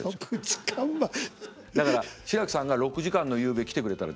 だから志らくさんが６時間の夕べ来てくれたら絶対。